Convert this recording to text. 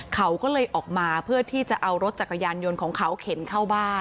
เขาก็เลยออกมาเพื่อที่จะเอารถจักรยานยนต์ของเขาเข็นเข้าบ้าน